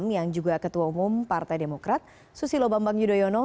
yang juga ketua umum partai demokrat susilo bambang yudhoyono